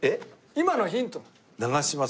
今のヒントなの。